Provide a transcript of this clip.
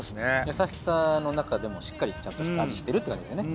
優しさのなかでもしっかりちゃんと味してるって感じですね。